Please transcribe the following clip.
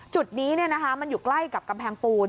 จุดนี้มันอยู่ใกล้กับกำแพงปูน